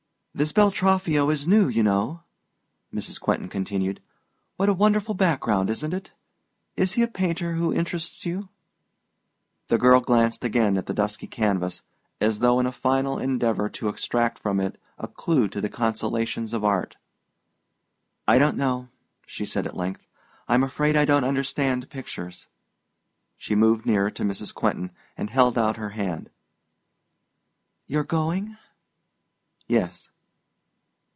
"This Beltraffio is new, you know," Mrs. Quentin continued. "What a wonderful background, isn't it? Is he a painter who interests you?" The girl glanced again at the dusky canvas, as though in a final endeavor to extract from it a clue to the consolations of art. "I don't know," she said at length; "I'm afraid I don't understand pictures." She moved nearer to Mrs. Quentin and held out her hand. "You're going?" "Yes."